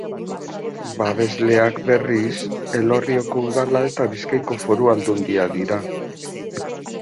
Babesleak, berriz, Elorrioko Udala eta Bizkaiko Foru Aldundia dira.